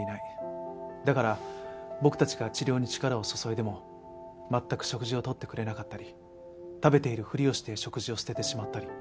だから僕たちが治療に力を注いでも全く食事をとってくれなかったり食べているふりをして食事を捨ててしまったり。